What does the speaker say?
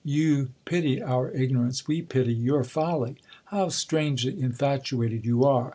You pity our ignorance, we pity your folly. How strangely infatuate'd you are